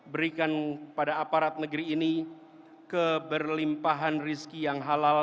berikan pada aparat negeri ini keberlimpahan rizki yang halal